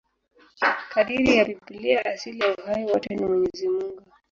Kadiri ya Biblia, asili ya uhai wote ni Mwenyezi Mungu.